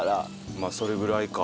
まあそれぐらいか。